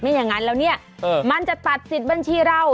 อย่างนั้นแล้วเนี่ยมันจะตัดสิทธิ์บัญชีเรา